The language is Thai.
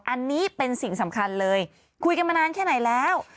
อันนี้เป็นสิ่งสำคัญเลยคุยกันมานานแค่ไหนแล้ว